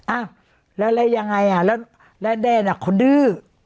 อ้าวแล้วแล้วยังไงอ่ะแล้วแดนเขาดื้อ